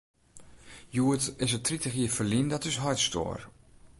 It is hjoed tritich jier ferlyn dat ús heit stoar.